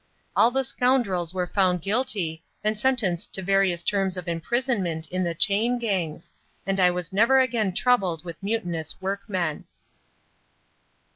All the scoundrels were found guilty and sentenced to various terms of imprisonment in the chain gangs, and I was never again troubled with mutinous workmen.